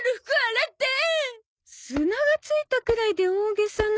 砂が付いたくらいで大げさな。